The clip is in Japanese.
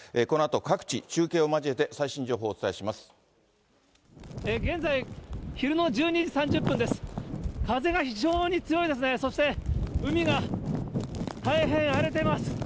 このあと各地、中継を交えて最新情報をお伝えします。